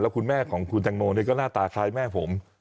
แล้วคุณแม่ของคุณแม่เนี่ยก็หน้าตาคลายแม่ผม